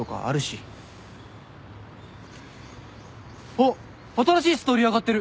あっ新しいストーリー上がってる！